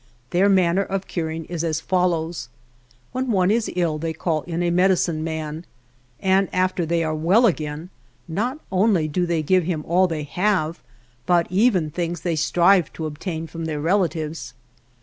Thefr manner of curing is as follows : When one is ill they call in a medicine man, and after they are well again not only do they give him all they have, but even things they strive to obtain from their relatives.